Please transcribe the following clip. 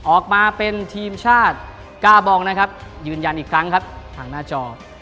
ออกมาเป็นทีมชาติก้าบองนะครับยืนยันอีกครั้งครับทางหน้าจอ